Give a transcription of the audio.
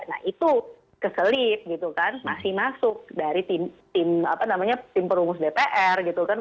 nah itu keselip gitu kan masih masuk dari tim perumus dpr gitu kan